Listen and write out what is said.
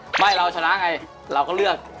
ไม่เราชนะไงเราก็เลือก